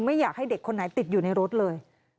ไม่อยากให้เด็กคนไหนติดอยู่ในรถเลย